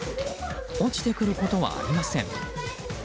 落ちてくることはありません。